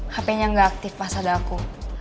hapenya gak aktif pas ada aku